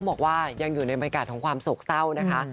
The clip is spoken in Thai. ต้องบอกว่ายังอยู่ในบริการของความสกเจ้านะคะ